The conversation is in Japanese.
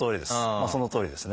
そのとおりです。